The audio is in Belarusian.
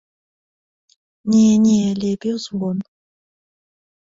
Не, не, лепей у звон.